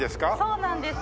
そうなんです。